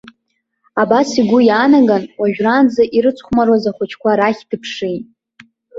Абас игәы иаанаган, уажәраанӡа ирыцхәмаруаз ахәыҷқәа рахь дыԥшит.